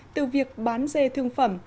từ việc bán dê thương phẩm